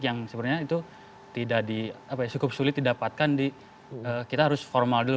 yang sebenarnya itu cukup sulit didapatkan di kita harus formal dulu